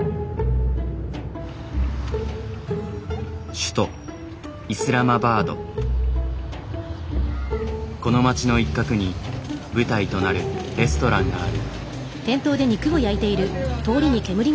首都この街の一角に舞台となるレストランがある。